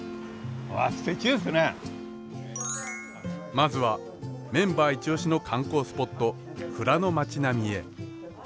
まずはメンバーイチオシの観光スポット蔵の町並みへ。